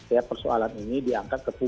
ya persoalan ini diangkat